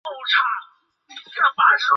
卡勒西莫担任代理总教练。